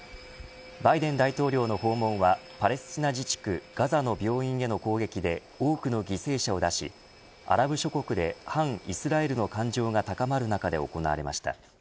バイデン大統領の訪問はパレスチナ自治区ガザの病院への攻撃で多くの犠牲者を出しアラブ諸国で反イスラエルの感情が高まる中で行われました。